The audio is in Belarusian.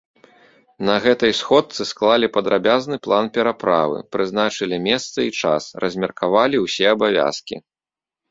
На гэтай сходцы склалі падрабязны план пераправы, прызначылі месца і час, размеркавалі ўсе абавязкі.